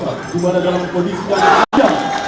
bagaimana dalam kondisi kondisi ini